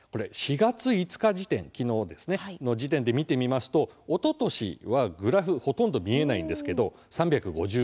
４月５日時点、きのうですねの時点で見てみますとおととしはグラフ、ほとんど見えないんですけど３５９人。